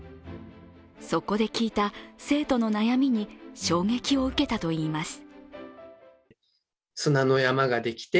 そこで聞いた生徒の悩みに衝撃を受けたといいます。